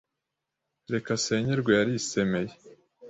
Reka asenyerwe yarisemeye